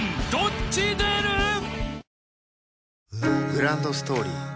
グランドストーリー